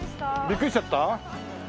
ビックリしちゃった？